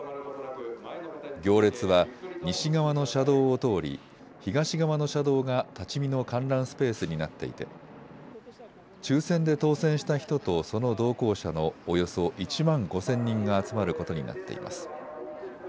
行列は西側の車道を通り東側の車道が立ち見の観覧スペースになっていて抽せんで当選した人とその同行者のおよそ１万５０００人が集まることになっています。